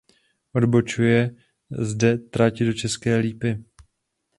Odbočuje zde trať do České Lípy.